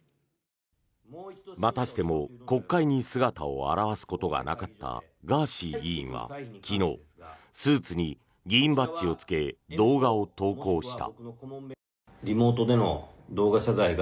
またしても国会に姿を現すことがなかったガーシー議員は昨日、スーツに議員バッジをつけ動画を投稿した。